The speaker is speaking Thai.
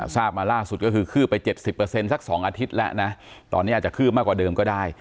ทราบมาล่าสุดก็คือคืบไป๗๐สัก๒อาทิตย์แล้วนะตอนนี้อาจจะคืบมากกว่าเดิมก็ได้